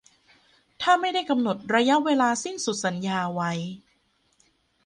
ถ้าไม่ได้กำหนดระยะเวลาสิ้นสุดสัญญาไว้